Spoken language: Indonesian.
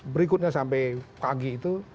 berikutnya sampai pagi itu